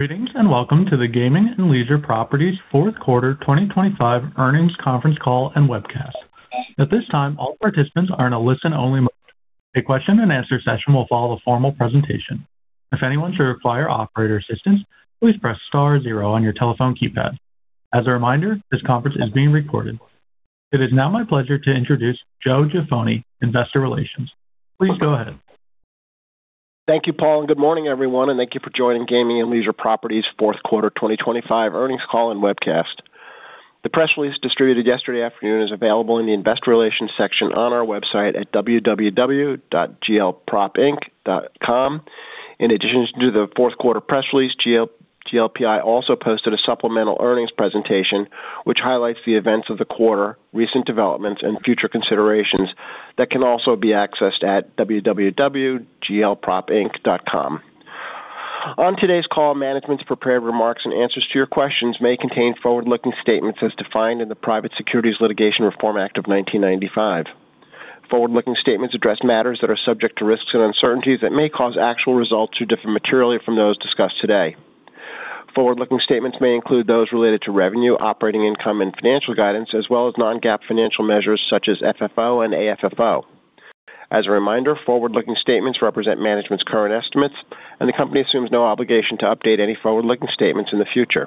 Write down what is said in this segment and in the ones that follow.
Greetings, and welcome to the Gaming and Leisure Properties Fourth Quarter 2025 Earnings Conference Call and Webcast. At this time, all participants are in a listen-only mode. A question and answer session will follow a formal presentation. If anyone should require operator assistance, please press star zero on your telephone keypad. As a reminder, this conference is being recorded. It is now my pleasure to introduce Joe Jaffoni, Investor Relations. Please go ahead. Thank you, Paul, and good morning, everyone, and thank you for joining Gaming and Leisure Properties fourth quarter 2025 earnings call and webcast. The press release distributed yesterday afternoon is available in the Investor Relations section on our website at www.glpropinc.com. In addition to the fourth quarter press release, GLPI also posted a supplemental earnings presentation which highlights the events of the quarter, recent developments, and future considerations that can also be accessed at www.glpropinc.com. On today's call, management's prepared remarks and answers to your questions may contain forward-looking statements as defined in the Private Securities Litigation Reform Act of 1995. Forward-looking statements address matters that are subject to risks and uncertainties that may cause actual results to differ materially from those discussed today. Forward-looking statements may include those related to revenue, operating income, and financial guidance, as well as non-GAAP financial measures such as FFO and AFFO. As a reminder, forward-looking statements represent management's current estimates, and the company assumes no obligation to update any forward-looking statements in the future.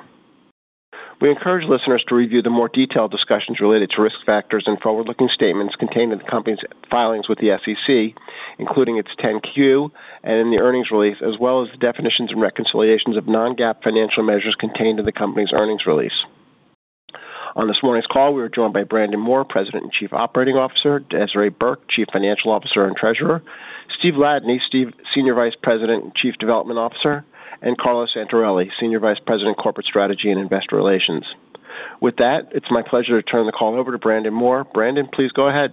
We encourage listeners to review the more detailed discussions related to risk factors and forward-looking statements contained in the company's filings with the SEC, including its 10-Q and in the earnings release, as well as the definitions and reconciliations of non-GAAP financial measures contained in the company's earnings release. On this morning's call, we are joined by Brandon Moore, President and Chief Operating Officer; Desiree Burke, Chief Financial Officer and Treasurer; Steven Ladany, Senior Vice President and Chief Development Officer; and Carlo Santarelli, Senior Vice President, Corporate Strategy and Investor Relations. With that, it's my pleasure to turn the call over to Brandon Moore. Brandon, please go ahead.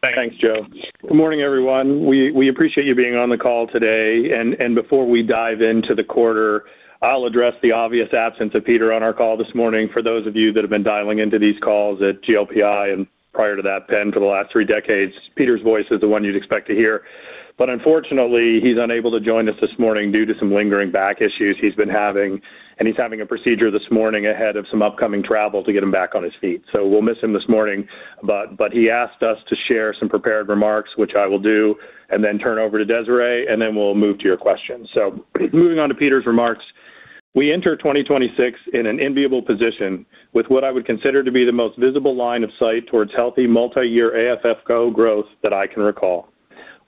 Thanks, Joe. Good morning, everyone. We appreciate you being on the call today. Before we dive into the quarter, I'll address the obvious absence of Peter on our call this morning. For those of you that have been dialing into these calls at GLPI and prior to that, PENN, for the last three decades, Peter's voice is the one you'd expect to hear. But unfortunately, he's unable to join us this morning due to some lingering back issues he's been having, and he's having a procedure this morning ahead of some upcoming travel to get him back on his feet. We'll miss him this morning, but he asked us to share some prepared remarks, which I will do, and then turn over to Desiree, and then we'll move to your questions. Moving on to Peter's remarks. We enter 2026 in an enviable position with what I would consider to be the most visible line of sight towards healthy multiyear AFFO growth that I can recall.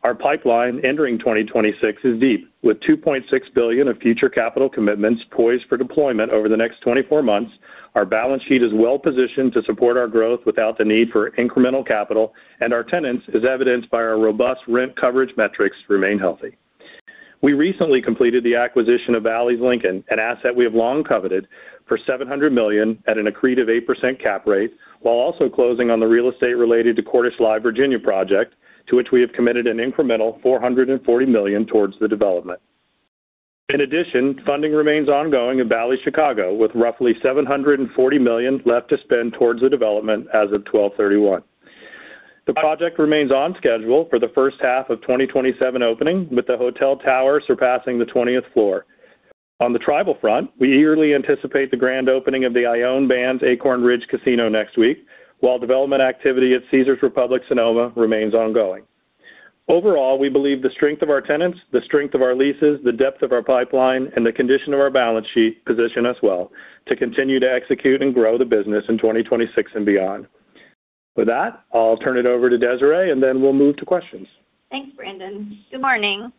Our pipeline entering 2026 is deep, with $2.6 billion of future capital commitments poised for deployment over the next 24 months. Our balance sheet is well positioned to support our growth without the need for incremental capital, and our tenants, as evidenced by our robust rent coverage metrics, remain healthy. We recently completed the acquisition of Bally's Lincoln, an asset we have long coveted, for $700 million at an accretive 8% cap rate, while also closing on the real estate related to Cordish Live! Virginia project, to which we have committed an incremental $440 million towards the development. In addition, funding remains ongoing in Bally's Chicago, with roughly $740 million left to spend towards the development as of 12/31. The project remains on schedule for the first half of 2027 opening, with the hotel tower surpassing the 20th floor. On the tribal front, we eagerly anticipate the grand opening of the Ione Band's Acorn Ridge Casino next week, while development activity at Caesars Republic Sonoma remains ongoing. Overall, we believe the strength of our tenants, the strength of our leases, the depth of our pipeline, and the condition of our balance sheet position us well to continue to execute and grow the business in 2026 and beyond. With that, I'll turn it over to Desiree, and then we'll move to questions. Thanks, Brandon. Good morning.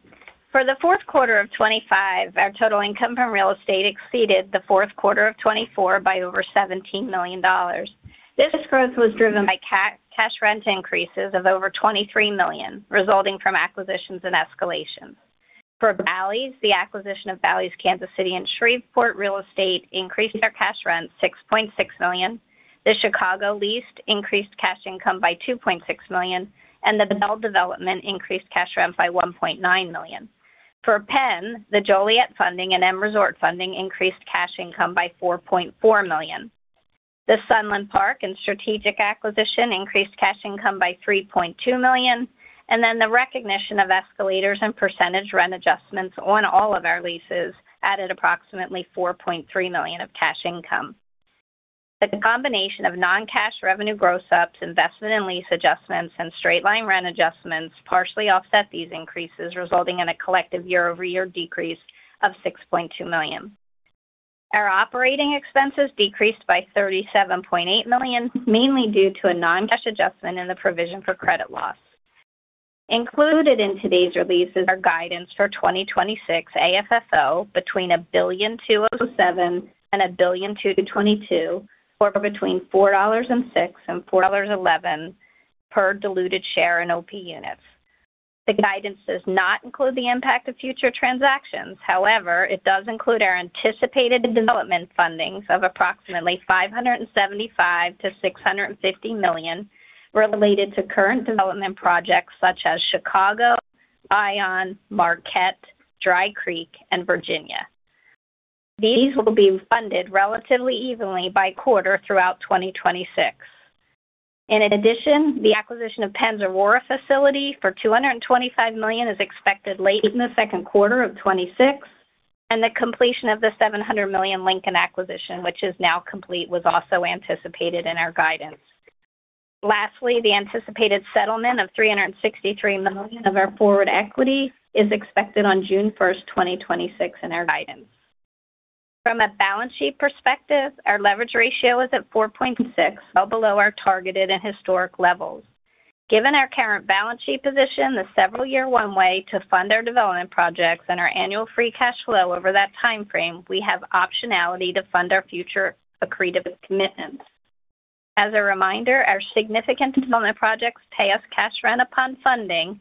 For the fourth quarter of 2025, our total income from real estate exceeded the fourth quarter of 2024 by over $17 million. This growth was driven by cash rent increases of over $23 million, resulting from acquisitions and escalations. For Bally's, the acquisition of Bally's Kansas City and Shreveport real estate increased our cash rent $6.6 million. The Chicago lease increased cash income by $2.6 million, and the Belle development increased cash rent by $1.9 million. For PENN, the Joliet funding and M Resort funding increased cash income by $4.4 million. The Sunland Park and strategic acquisition increased cash income by $3.2 million, and the recognition of escalators and percentage rent adjustments on all of our leases added approximately $4.3 million of cash income. The combination of non-cash revenue gross ups, investment in lease adjustments, and straight-line rent adjustments partially offset these increases, resulting in a collective year-over-year decrease of $6.2 million. Our operating expenses decreased by $37.8 million, mainly due to a non-cash adjustment in the provision for credit loss. Included in today's release is our guidance for 2026 AFFO between $1.207 billion and $1.222 billion, or between $4.06 and $4.11 per diluted share in OP units. The guidance does not include the impact of future transactions. However, it does include our anticipated development fundings of approximately $575 million-$650 million related to current development projects such as Chicago, Ione, Marquette, Dry Creek, and Virginia. These will be funded relatively evenly by quarter throughout 2026. In addition, the acquisition of PENN's Aurora facility for $225 million is expected late in the second quarter of 2026, and the completion of the $700 million Lincoln acquisition, which is now complete, was also anticipated in our guidance. Lastly, the anticipated settlement of $363 million of our forward equity is expected on June first, 2026, in our guidance. From a balance sheet perspective, our leverage ratio is at 4.6x, well below our targeted and historic levels. Given our current balance sheet position, the several year one way to fund our development projects and our annual free cash flow over that time frame, we have optionality to fund our future accretive commitments. As a reminder, our significant development projects pay us cash rent upon funding,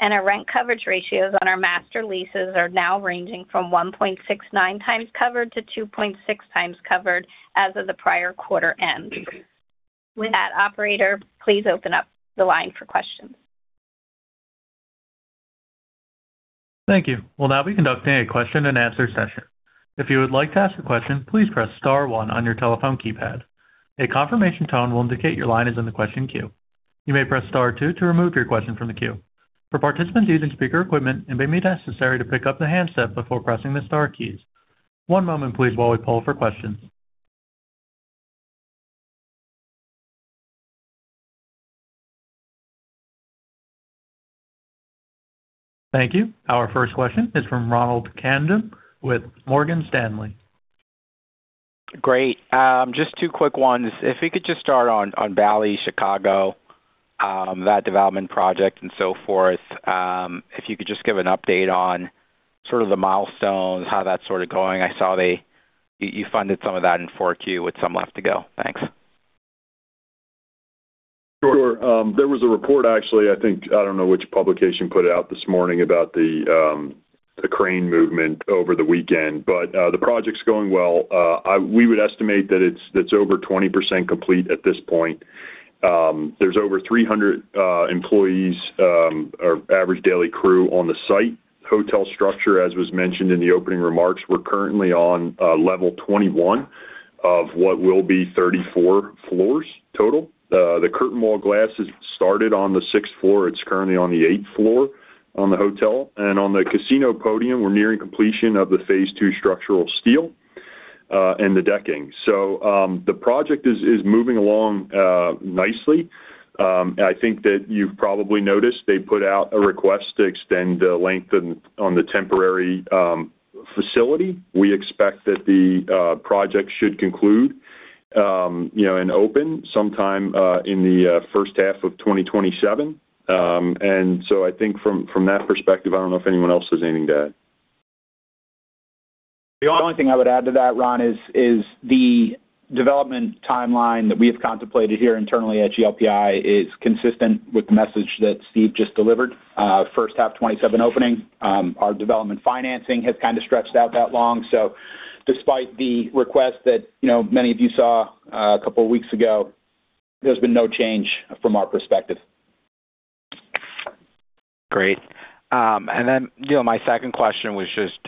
and our rent coverage ratios on our master leases are now ranging from 1.69x covered to 2.6x covered as of the prior quarter end. With that, operator, please open up the line for questions. Thank you. We'll now be conducting a question and answer session. If you would like to ask a question, please press star one on your telephone keypad. A confirmation tone will indicate your line is in the question queue. You may press star two to remove your question from the queue. For participants using speaker equipment, it may be necessary to pick up the handset before pressing the star keys. One moment please, while we pull for questions. Thank you. Our first question is from Ronald Kamdem with Morgan Stanley. Great. Just two quick ones. If we could just start on Bally's Chicago, that development project and so forth. If you could just give an update on sort of the milestones, how that's sort of going. I saw you funded some of that in 4Q with some left to go. Thanks. Sure. There was a report, actually, I think, I don't know which publication put it out this morning about the crane movement over the weekend, but the project's going well. We would estimate that it's that's over 20% complete at this point. There's over 300 employees or average daily crew on the site. Hotel structure, as was mentioned in the opening remarks, we're currently on level 21 of what will be 34 floors total. The curtain wall glass has started on the sixth floor. It's currently on the eighth floor on the hotel. And on the casino podium, we're nearing completion of the phase two structural steel and the decking. So, the project is moving along nicely. And I think that you've probably noticed they put out a request to extend the length on the temporary facility. We expect that the project should conclude, you know, and open sometime in the first half of 2027. And so I think from that perspective, I don't know if anyone else has anything to add. The only thing I would add to that, Ron, is the development timeline that we have contemplated here internally at GLPI is consistent with the message that Steve just delivered. First half 2027 opening, our development financing has kind of stretched out that long. So despite the request that, you know, many of you saw, a couple of weeks ago, there's been no change from our perspective. Great. And then, you know, my second question was just,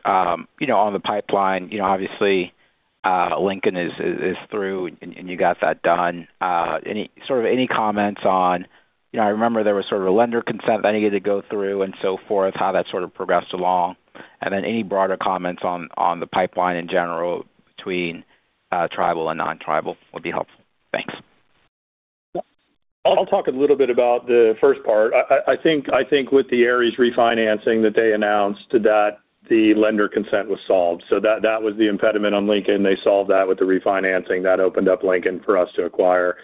you know, on the pipeline. You know, obviously, Lincoln is through and you got that done. Any sort of comments on-- You know, I remember there was sort of a lender consent that you had to go through and so forth, how that sort of progressed along, and then any broader comments on the pipeline in general between tribal and non-tribal would be helpful. Thanks. I'll talk a little bit about the first part. I think with the Ares refinancing that they announced, that the lender consent was solved. So that was the impediment on Lincoln. They solved that with the refinancing. That opened up Lincoln for us to acquire.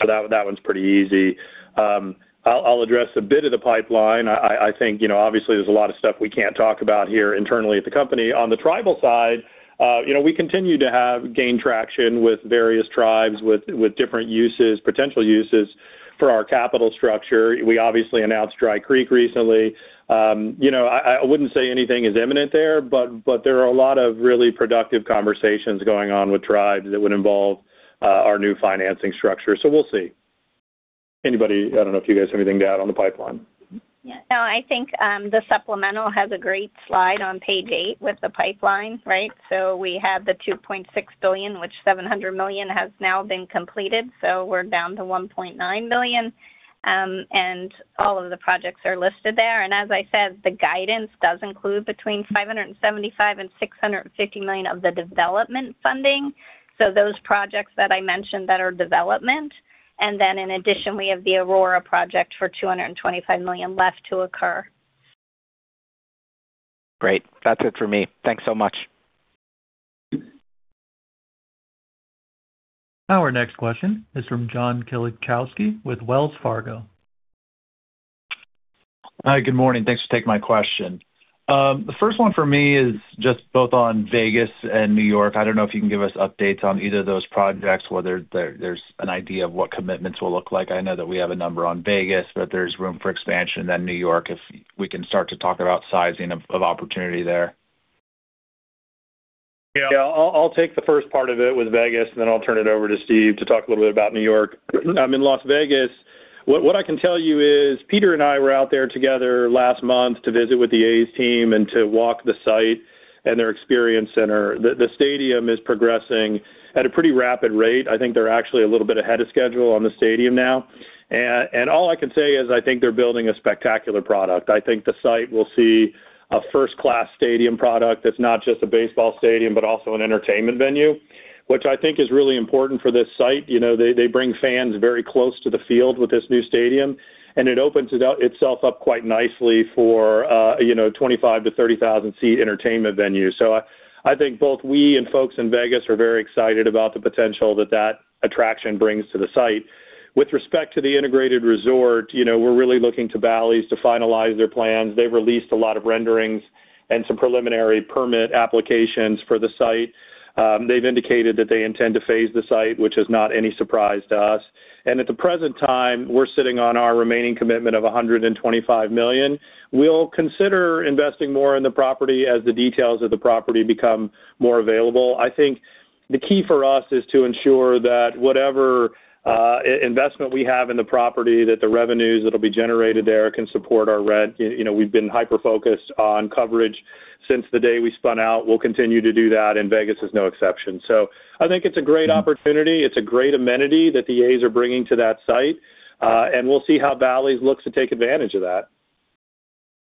So that one's pretty easy. I'll address a bit of the pipeline. I think, you know, obviously there's a lot of stuff we can't talk about here internally at the company. On the tribal side, you know, we continue to have gained traction with various tribes, with different uses, potential uses for our capital structure. We obviously announced Dry Creek recently. You know, I wouldn't say anything is imminent there, but there are a lot of really productive conversations going on with tribes that would involve our new financing structure. So we'll see. Anybody—I don't know if you guys have anything to add on the pipeline. Yeah. No, I think, the supplemental has a great slide on page eight with the pipeline, right? So we have the $2.6 billion, which $700 million has now been completed, so we're down to $1.9 billion. And all of the projects are listed there. And as I said, the guidance does include between $575 million and $650 million of the development funding. So those projects that I mentioned, that are development. And then in addition, we have the Aurora project for $225 million left to occur. Great. That's it for me. Thanks so much. Our next question is from John Kilichowski with Wells Fargo. Hi, good morning. Thanks for taking my question. The first one for me is just both on Vegas and New York. I don't know if you can give us updates on either of those projects, whether there's an idea of what commitments will look like. I know that we have a number on Vegas, but there's room for expansion. Then New York, if we can start to talk about sizing of opportunity there. Yeah, I'll take the first part of it with Vegas, and then I'll turn it over to Steve to talk a little bit about New York. In Las Vegas- What, what I can tell you is Peter and I were out there together last month to visit with the A's team and to walk the site and their experience center. The, the stadium is progressing at a pretty rapid rate. I think they're actually a little bit ahead of schedule on the stadium now. And, and all I can say is I think they're building a spectacular product. I think the site will see a first-class stadium product that's not just a baseball stadium, but also an entertainment venue, which I think is really important for this site. You know, they, they bring fans very close to the field with this new stadium, and it opens it up itself up quite nicely for, you know, 25,000-30,000-seat entertainment venue. So I think both we and folks in Vegas are very excited about the potential that attraction brings to the site. With respect to the integrated resort, you know, we're really looking to Bally's to finalize their plans. They've released a lot of renderings and some preliminary permit applications for the site. They've indicated that they intend to phase the site, which is not any surprise to us. And at the present time, we're sitting on our remaining commitment of $125 million. We'll consider investing more in the property as the details of the property become more available. I think the key for us is to ensure that whatever investment we have in the property, that the revenues that will be generated there can support our rent. You know, we've been hyper-focused on coverage since the day we spun out. We'll continue to do that, and Vegas is no exception. So I think it's a great opportunity. It's a great amenity that the A's are bringing to that site, and we'll see how Bally's looks to take advantage of that.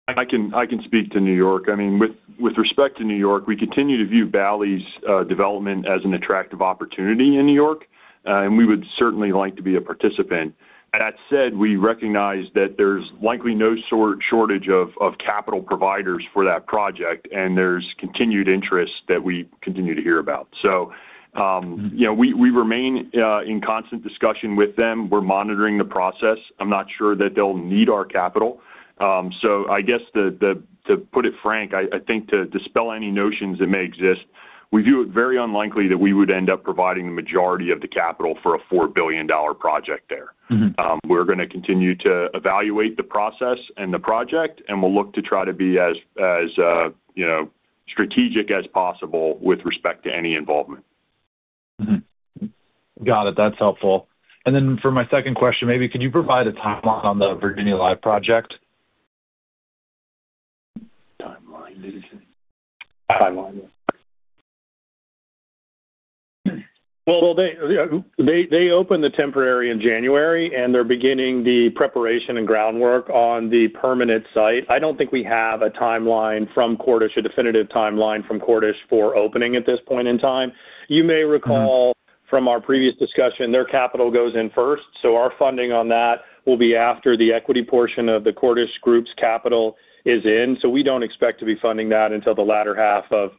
I can speak to New York. I mean, with respect to New York, we continue to view Bally's development as an attractive opportunity in New York, and we would certainly like to be a participant. That said, we recognize that there's likely no shortage of capital providers for that project, and there's continued interest that we continue to hear about. So, you know, we remain in constant discussion with them. We're monitoring the process. I'm not sure that they'll need our capital. So I guess to put it frankly, I think to dispel any notions that may exist, we view it very unlikely that we would end up providing the majority of the capital for a $4 billion project there. We're gonna continue to evaluate the process and the project, and we'll look to try to be as you know strategic as possible with respect to any involvement. Got it. That's helpful. And then for my second question, maybe could you provide a timeline on the Virginia Live! project? Timeline. Well, they opened the temporary in January, and they're beginning the preparation and groundwork on the permanent site. I don't think we have a timeline from Cordish, a definitive timeline from Cordish for opening at this point in time. You may recall from our previous discussion, their capital goes in first, so our funding on that will be after the equity portion of the Cordish group's capital is in. So we don't expect to be funding that until the latter half of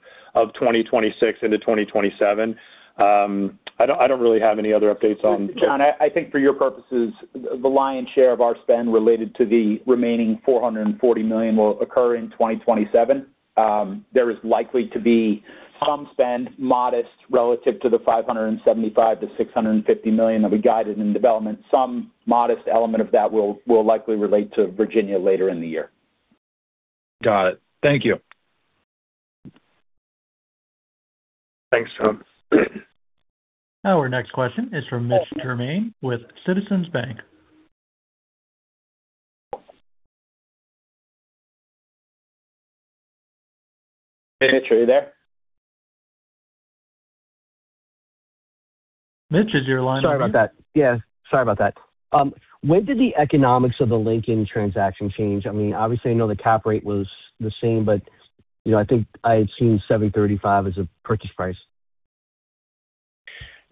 2026 into 2027. I don't really have any other updates on- John, I think for your purposes, the lion's share of our spend related to the remaining $440 million will occur in 2027. There is likely to be some spend, modest, relative to the $575 million-$650 million that we guided in development. Some modest element of that will likely relate to Virginia later in the year. Got it. Thank you. Thanks, John. Our next question is from Mitch Germain with Citizens Bank. Hey, Mitch, are you there? Mitch, is your line open? Sorry about that. Yeah, sorry about that. When did the economics of the Lincoln transaction change? I mean, obviously, I know the cap rate was the same, but, you know, I think I had seen $735 as a purchase price.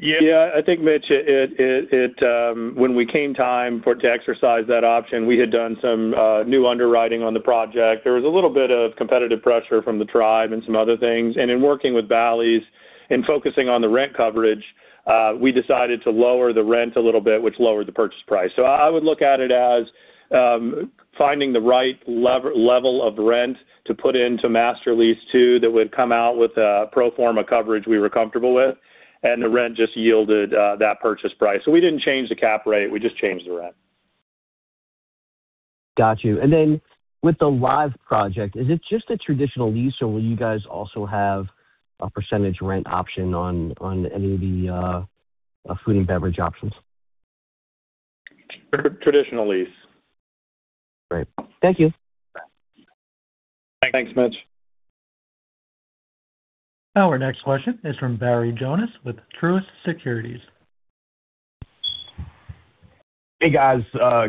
Yeah, I think, Mitch, it—when we came time to exercise that option, we had done some new underwriting on the project. There was a little bit of competitive pressure from the tribe and some other things, and in working with Bally's and focusing on the rent coverage, we decided to lower the rent a little bit, which lowered the purchase price. So I would look at it as finding the right level of rent to put into Master Lease II, that would come out with a pro forma coverage we were comfortable with, and the rent just yielded that purchase price. So we didn't change the cap rate, we just changed the rent. Got you. And then with the Live! project, is it just a traditional lease, or will you guys also have a percentage rent option on, on any of the, food and beverage options? Traditional lease. Great. Thank you. Thanks, Mitch. Our next question is from Barry Jonas with Truist Securities. Hey, guys.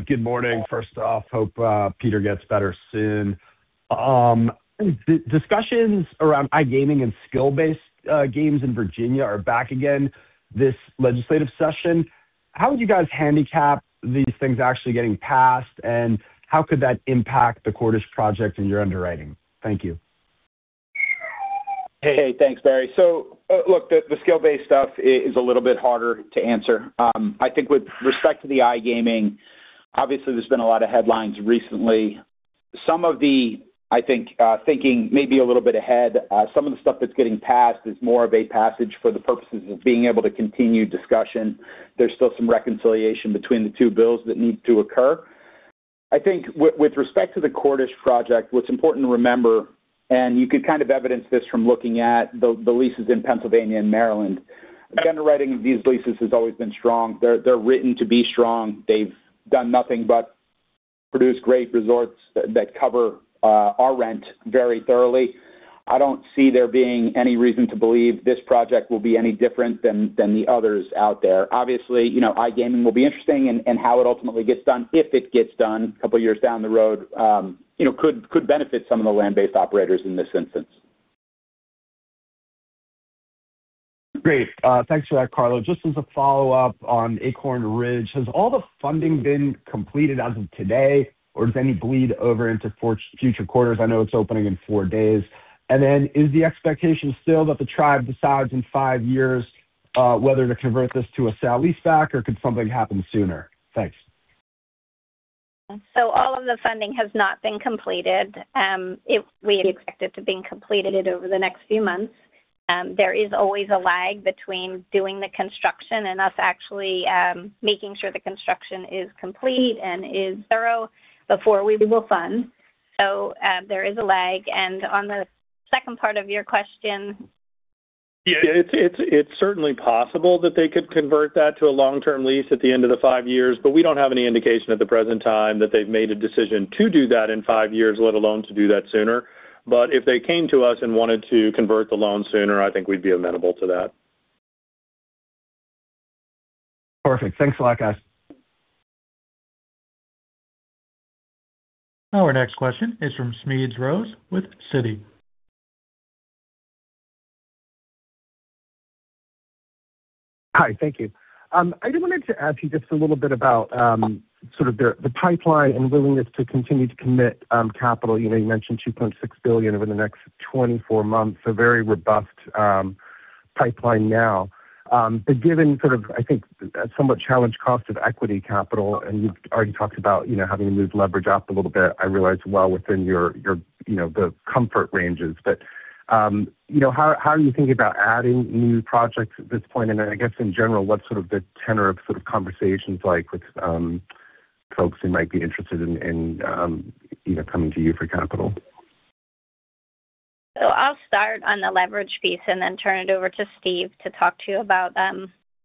Good morning. First off, hope Peter gets better soon. Discussions around iGaming and skill-based games in Virginia are back again this legislative session. How would you guys handicap these things actually getting passed, and how could that impact the Cordish project and your underwriting? Thank you. Hey, thanks, Barry. So, look, the skill-based stuff is a little bit harder to answer. I think with respect to the iGaming, obviously, there's been a lot of headlines recently. Some of the I think, thinking maybe a little bit ahead, some of the stuff that's getting passed is more of a passage for the purposes of being able to continue discussion. There's still some reconciliation between the two bills that need to occur. I think with respect to the Cordish project, what's important to remember, and you could kind of evidence this from looking at the leases in Pennsylvania and Maryland. The underwriting of these leases has always been strong. They're written to be strong. They've done nothing but produce great resorts that cover our rent very thoroughly. I don't see there being any reason to believe this project will be any different than the others out there. Obviously, you know, iGaming will be interesting and how it ultimately gets done, if it gets done a couple of years down the road, you know, could benefit some of the land-based operators in this instance. Great. Thanks for that, Carlo. Just as a follow-up on Acorn Ridge, has all the funding been completed as of today, or does any bleed over into future quarters? I know it's opening in four days. And then, is the expectation still that the tribe decides in five years, whether to convert this to a sale-leaseback, or could something happen sooner? Thanks. So all of the funding has not been completed. We expect it to being completed over the next few months. There is always a lag between doing the construction and us actually, making sure the construction is complete and is thorough before we will fund. So, there is a lag. And on the second part of your question-- Yeah, it's certainly possible that they could convert that to a long-term lease at the end of the five years, but we don't have any indication at the present time that they've made a decision to do that in five years, let alone to do that sooner. But if they came to us and wanted to convert the loan sooner, I think we'd be amenable to that. Perfect. Thanks a lot, guys. Our next question is from Smedes Rose with Citi. Hi, thank you. I just wanted to ask you just a little bit about sort of the pipeline and willingness to continue to commit capital. You know, you mentioned $2.6 billion over the next 24 months, a very robust pipeline now. But given sort of, I think, somewhat challenged cost of equity capital, and you've already talked about, you know, having to move leverage up a little bit, I realize well within your you know the comfort ranges. But you know how are you thinking about adding new projects at this point? And I guess, in general, what's sort of the tenor of sort of conversations like with folks who might be interested in in you know coming to you for capital? So I'll start on the leverage piece and then turn it over to Steve to talk to you about,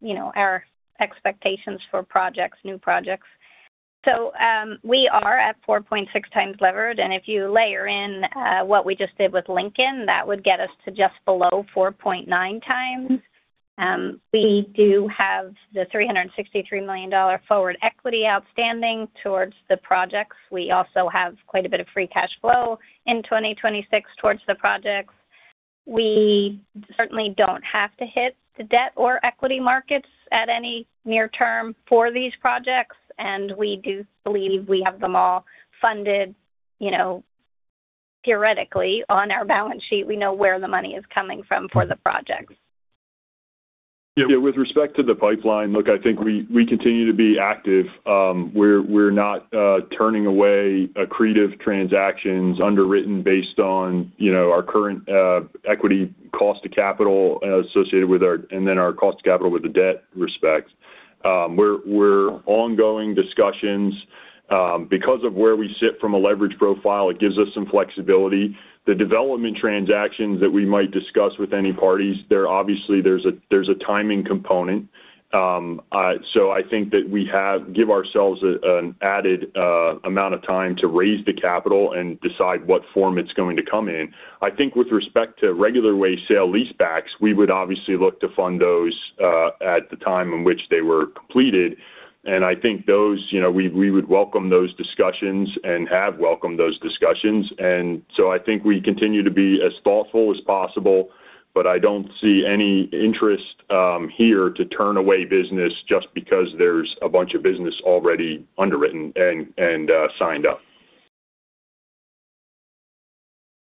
you know, our expectations for projects, new projects. So, we are at 4.6x levered, and if you layer in, what we just did with Lincoln, that would get us to just below 4.9x. We do have the $363 million forward equity outstanding towards the projects. We also have quite a bit of free cash flow in 2026 towards the projects. We certainly don't have to hit the debt or equity markets at any near term for these projects, and we do believe we have them all funded, you know, theoretically, on our balance sheet. We know where the money is coming from for the projects. Yeah. With respect to the pipeline, look, I think we continue to be active. We're not turning away accretive transactions underwritten based on, you know, our current equity cost of capital associated with our and then our cost of capital with respect to the debt. We're ongoing discussions. Because of where we sit with a leverage profile, it gives us some flexibility. The development transactions that we might discuss with any parties, there obviously there's a timing component. So I think that we have given ourselves an added amount of time to raise the capital and decide what form it's going to come in. I think with respect to regular way sale leasebacks, we would obviously look to fund those at the time in which they were completed. And I think those, you know, we would welcome those discussions and have welcomed those discussions. And so I think we continue to be as thoughtful as possible, but I don't see any interest here to turn away business just because there's a bunch of business already underwritten and signed up.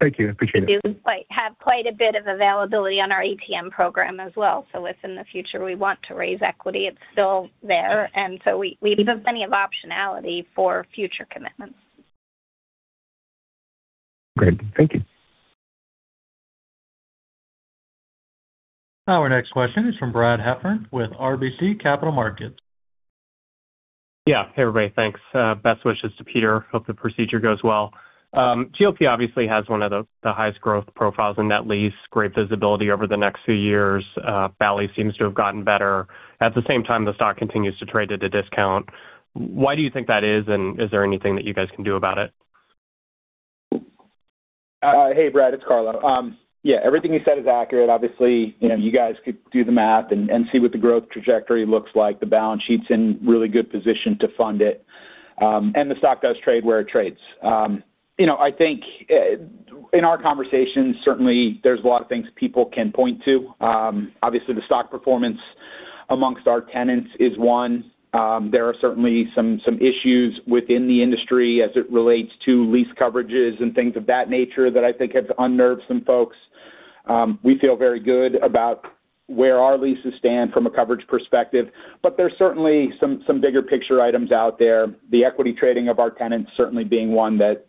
Thank you. I appreciate it. We have quite a bit of availability on our ATM program as well. So if in the future we want to raise equity, it's still there. And so we have plenty of optionality for future commitments. Great. Thank you. Our next question is from Brad Heffern with RBC Capital Markets. Yeah. Hey, everybody. Thanks. Best wishes to Peter. Hope the procedure goes well. GLPI obviously has one of the, the highest growth profiles in net lease, great visibility over the next few years. Bally's seems to have gotten better. At the same time, the stock continues to trade at a discount. Why do you think that is, and is there anything that you guys can do about it? Hey, Brad, it's Carlo. Yeah, everything you said is accurate. Obviously, you know, you guys could do the math and see what the growth trajectory looks like. The balance sheet's in really good position to fund it, and the stock does trade where it trades. You know, I think in our conversations, certainly there's a lot of things people can point to. Obviously, the stock performance amongst our tenants is one. There are certainly some issues within the industry as it relates to lease coverages and things of that nature that I think have unnerved some folks. We feel very good about where our leases stand from a coverage perspective, but there's certainly some bigger picture items out there. The equity trading of our tenants certainly being one that,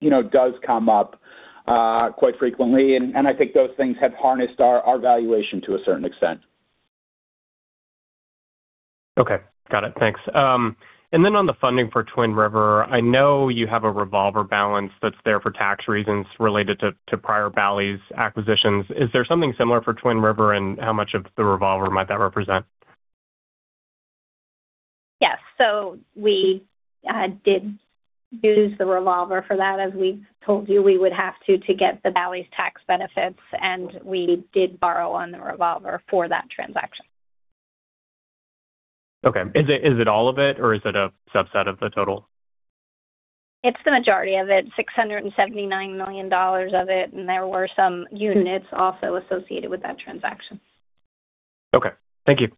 you know, does come up quite frequently, and I think those things have harnessed our valuation to a certain extent. Okay, got it. Thanks. And then on the funding for Twin River, I know you have a revolver balance that's there for tax reasons related to prior Bally's acquisitions. Is there something similar for Twin River, and how much of the revolver might that represent? Yes. So we did use the revolver for that, as we told you, we would have to get the Bally's tax benefits, and we did borrow on the revolver for that transaction. Okay. Is it all of it, or is it a subset of the total? It's the majority of it, $679 million of it, and there were some units also associated with that transaction. Okay, thank you.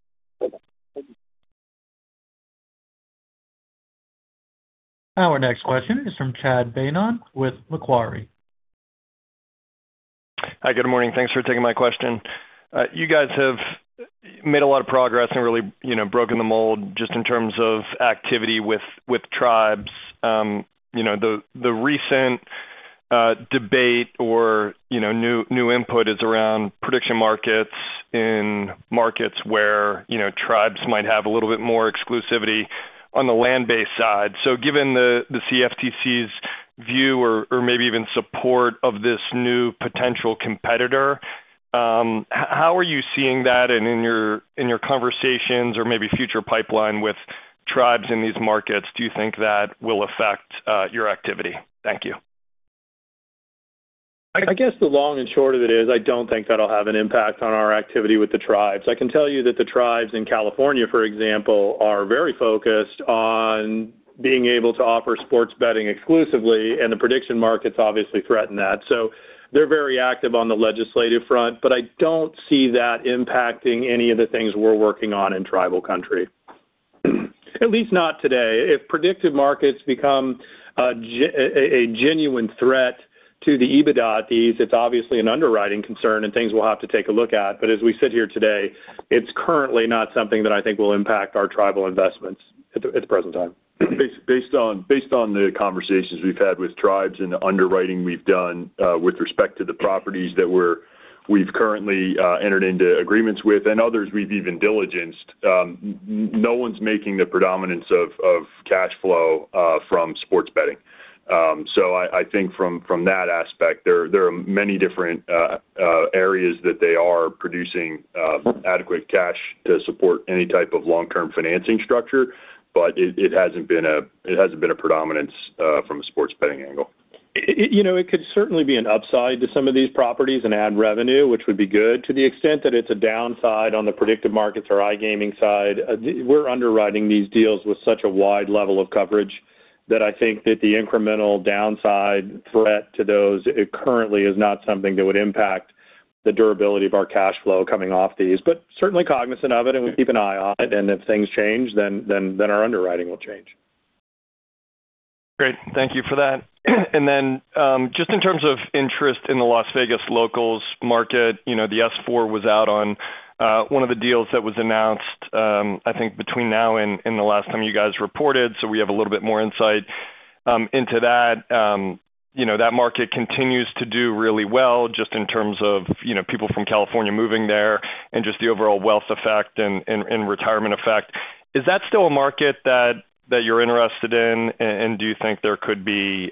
Our next question is from Chad Beynon with Macquarie. Hi, good morning. Thanks for taking my question. You guys have made a lot of progress and really, you know, broken the mold just in terms of activity with, with tribes. You know, the, the recent debate or, you know, new, new input is around prediction markets in markets where, you know, tribes might have a little bit more exclusivity on the land-based side. So given the, the CFTC's view or, or maybe even support of this new potential competitor, how are you seeing that and in your, in your conversations or maybe future pipeline with tribes in these markets, do you think that will affect your activity? Thank you. I guess the long and short of it is I don't think that'll have an impact on our activity with the tribes. I can tell you that the tribes in California, for example, are very focused on being able to offer sports betting exclusively, and the prediction markets obviously threaten that. So they're very active on the legislative front, but I don't see that impacting any of the things we're working on in tribal country. At least not today. If predictive markets become a genuine threat to the EBITDA, it's obviously an underwriting concern and things we'll have to take a look at. But as we sit here today, it's currently not something that I think will impact our tribal investments at the present time. Based on the conversations we've had with tribes and the underwriting we've done, with respect to the properties that we've currently entered into agreements with and others we've even diligenced, no one's making the predominance of cash flow from sports betting. So I think from that aspect, there are many different areas that they are producing adequate cash to support any type of long-term financing structure, but it hasn't been a predominance from a sports betting angle. You know, it could certainly be an upside to some of these properties and add revenue, which would be good. To the extent that it's a downside on the prediction markets or iGaming side, we're underwriting these deals with such a wide level of coverage that I think that the incremental downside threat to those, it currently is not something that would impact the durability of our cash flow coming off these, but certainly cognizant of it, and we keep an eye on it, and if things change, then our underwriting will change. Great. Thank you for that. And then, just in terms of interest in the Las Vegas locals market, you know, the S-4 was out on one of the deals that was announced, I think between now and the last time you guys reported. So we have a little bit more insight into that. You know, that market continues to do really well, just in terms of, you know, people from California moving there and just the overall wealth effect and retirement effect. Is that still a market that you're interested in? And do you think there could be,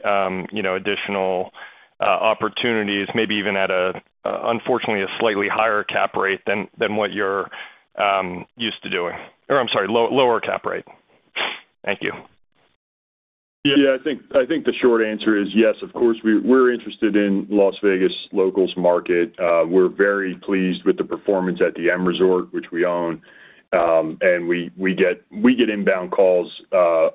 you know, additional opportunities, maybe even at a, unfortunately, a slightly higher cap rate than what you're used to doing? Or I'm sorry, lower cap rate. Thank you. Yeah, I think the short answer is yes, of course, we're interested in Las Vegas locals market. We're very pleased with the performance at the M Resort, which we own. And we get inbound calls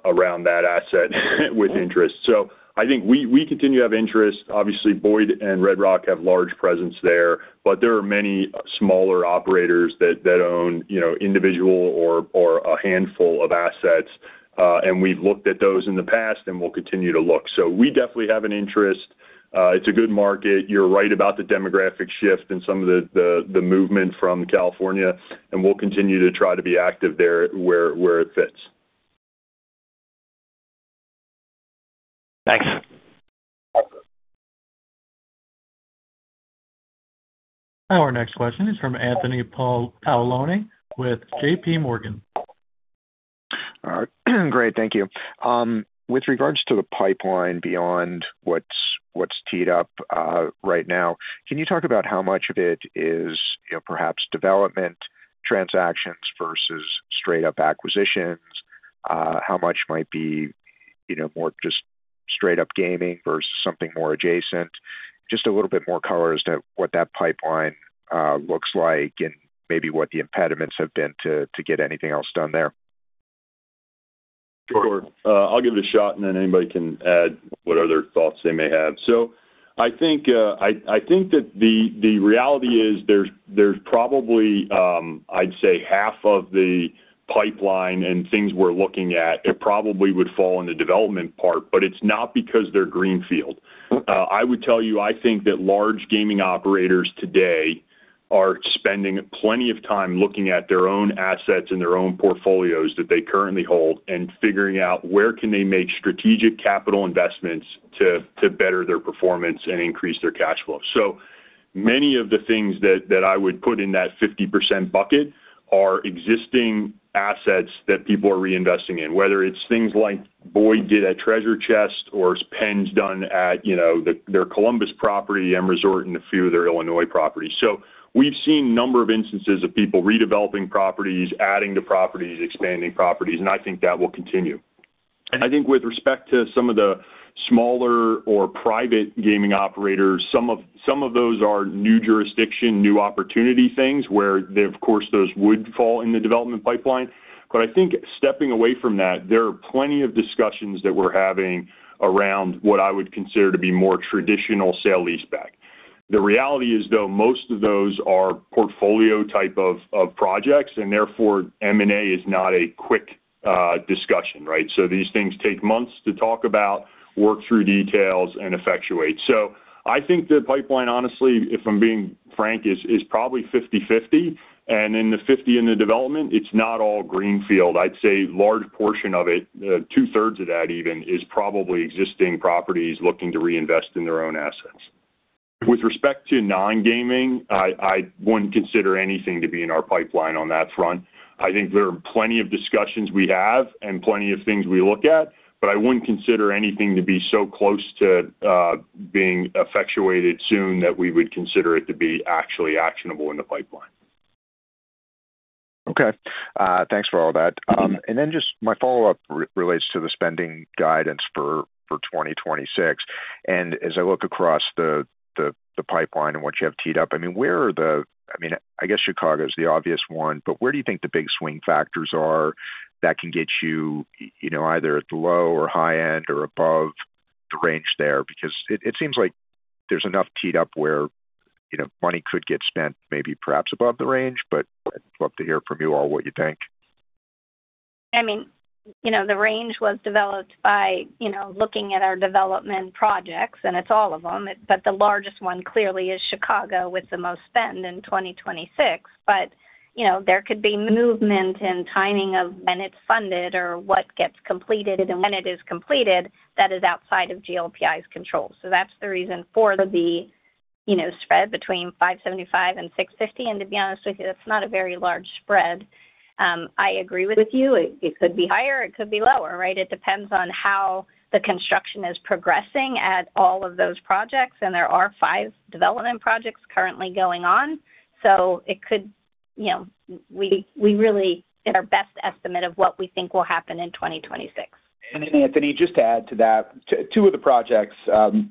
around that asset with interest. So I think we continue to have interest. Obviously, Boyd and Red Rock have large presence there, but there are many smaller operators that own, you know, individual or a handful of assets. And we've looked at those in the past and will continue to look. So we definitely have an interest. It's a good market. You're right about the demographic shift and some of the movement from California, and we'll continue to try to be active there where it fits. Thanks. Our next question is from Anthony Paolone with J.P. Morgan. All right. Great, thank you. With regards to the pipeline beyond what's teed up right now, can you talk about how much of it is, you know, perhaps development transactions versus straight up acquisitions? How much might be, you know, more just straight up gaming versus something more adjacent? Just a little bit more color as to what that pipeline looks like and maybe what the impediments have been to get anything else done there. Sure. I'll give it a shot, and then anybody can add what other thoughts they may have. So I think that the reality is there's probably I'd say half of the pipeline and things we're looking at, it probably would fall in the development part, but it's not because they're greenfield. I would tell you, I think that large gaming operators today are spending plenty of time looking at their own assets and their own portfolios that they currently hold and figuring out where can they make strategic capital investments to better their performance and increase their cash flow. Many of the things that I would put in that 50% bucket are existing assets that people are reinvesting in, whether it's things like Boyd did at Treasure Chest or as PENN's done at, you know, their Columbus property, M Resort, and a few of their Illinois properties. So we've seen a number of instances of people redeveloping properties, adding to properties, expanding properties, and I think that will continue. I think with respect to some of the smaller or private gaming operators, some of those are new jurisdiction, new opportunity things, where they, of course, those would fall in the development pipeline. But I think stepping away from that, there are plenty of discussions that we're having around what I would consider to be more traditional sale-leaseback. The reality is, though, most of those are portfolio type of, of projects, and therefore, M&A is not a quick discussion, right? So these things take months to talk about, work through details, and effectuate. So I think the pipeline, honestly, if I'm being frank, is probably 50/50. And in the 50 in the development, it's not all greenfield. I'd say a large portion of it, 2/3 of that even, is probably existing properties looking to reinvest in their own assets. With respect to nongaming, I wouldn't consider anything to be in our pipeline on that front. I think there are plenty of discussions we have and plenty of things we look at, but I wouldn't consider anything to be so close to being effectuated soon that we would consider it to be actually actionable in the pipeline. Okay. Thanks for all that. And then just my follow-up relates to the spending guidance for 2026. And as I look across the pipeline and what you have teed up, I mean, where are, I mean, I guess Chicago is the obvious one, but where do you think the big swing factors are that can get you, you know, either at the low or high end or above the range there? Because it seems like there's enough teed up where, you know, money could get spent, maybe perhaps above the range. But I'd love to hear from you all what you think. I mean, you know, the range was developed by, you know, looking at our development projects, and it's all of them, but the largest one clearly is Chicago, with the most spend in 2026. But, you know, there could be movement and timing of when it's funded or what gets completed and when it is completed that is outside of GLPI's control. So that's the reason for the, you know, spread between $575 million and $650 million, and to be honest with you, that's not a very large spread. I agree with you. It could be higher, it could be lower, right? It depends on how the construction is progressing at all of those projects, and there are five development projects currently going on. So it could, you know, we really did our best estimate of what we think will happen in 2026. And Anthony, just to add to that, two of the projects,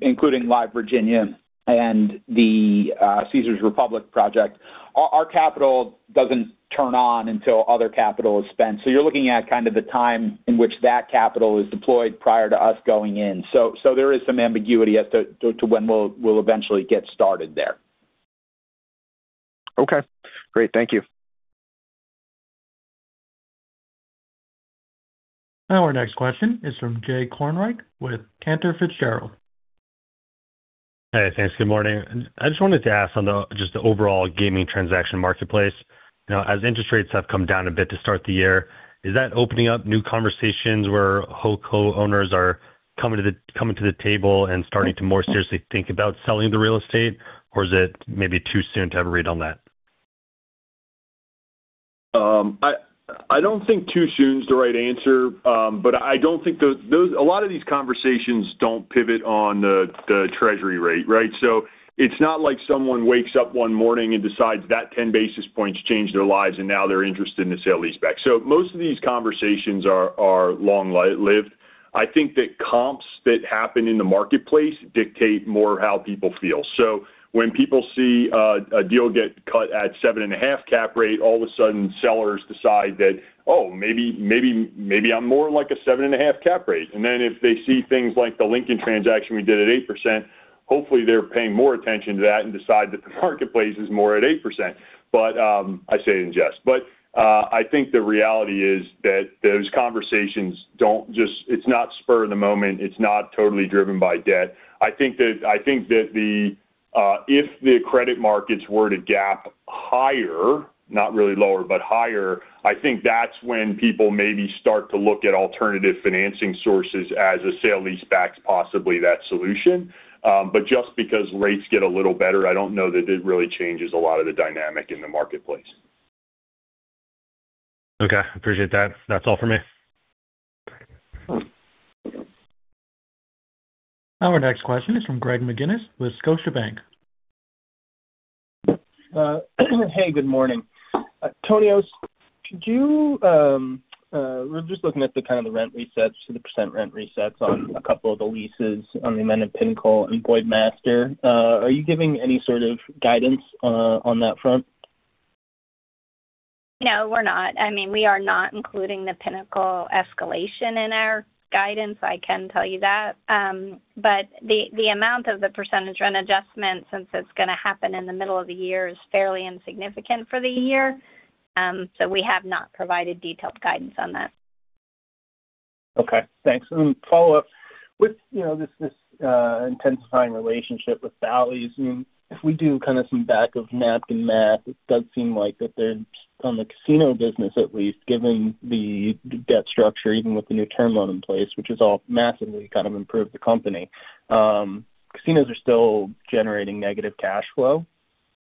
including Live! Virginia and the Caesars Republic project, our capital doesn't turn on until other capital is spent. So you're looking at kind of the time in which that capital is deployed prior to us going in. So there is some ambiguity as to when we'll eventually get started there. Okay, great. Thank you. Now, our next question is from Jay Kornreich with Cantor Fitzgerald. Hey, thanks. Good morning. I just wanted to ask on just the overall gaming transaction marketplace. You know, as interest rates have come down a bit to start the year, is that opening up new conversations where WholeCo owners are coming to the table and starting to more seriously think about selling the real estate? Or is it maybe too soon to have a read on that? I don't think too soon is the right answer, but I don't think those – a lot of these conversations don't pivot on the Treasury rate, right? So it's not like someone wakes up one morning and decides that 10 basis points changed their lives, and now they're interested in a sale-leaseback. So most of these conversations are long-lived. I think that comps that happen in the marketplace dictate more how people feel. So when people see a deal get cut at 7.5% cap rate, all of a sudden, sellers decide that, oh, maybe, maybe, maybe I'm more like a 7.5% cap rate. And then if they see things like the Lincoln transaction we did at 8%, hopefully, they're paying more attention to that and decide that the marketplace is more at 8%. But, I say it in jest. But, I think the reality is that those conversations don't just— It's not spur of the moment. It's not totally driven by debt. I think that if the credit markets were to gap higher, not really lower, but higher, I think that's when people maybe start to look at alternative financing sources as a sale-leaseback is possibly that solution. But just because rates get a little better, I don't know that it really changes a lot of the dynamic in the marketplace. Okay, appreciate that. That's all for me. Our next question is from Greg McGinniss with Scotiabank. Hey, good morning. Two, could you, we're just looking at the kind of the rent resets, the percent rent resets on a couple of the leases on the amended Pinnacle and Boyd Master. Are you giving any sort of guidance on that front? No, we're not. I mean, we are not including the Pinnacle escalation in our guidance, I can tell you that. But the amount of the percentage rent adjustment, since it's going to happen in the middle of the year, is fairly insignificant for the year. So we have not provided detailed guidance on that. Okay, thanks. Then follow up: With, you know, this intensifying relationship with Bally's, I mean, if we do kind of some back-of-napkin math, it does seem like that they're on the casino business at least, given the debt structure, even with the new term loan in place, which has all massively kind of improved the company. Casinos are still generating negative cash flow.